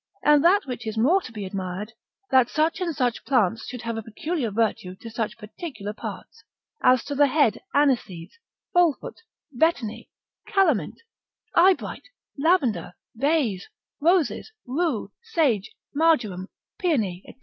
and that which is more to be admired, that such and such plants should have a peculiar virtue to such particular parts, as to the head aniseeds, foalfoot, betony, calamint, eye bright, lavender, bays, roses, rue, sage, marjoram, peony, &c.